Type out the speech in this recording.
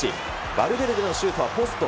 バルベルデのシュートはポスト。